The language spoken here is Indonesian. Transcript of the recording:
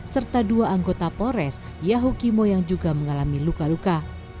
serta dua anggota pores yahukimo yang juga mengalami luka luka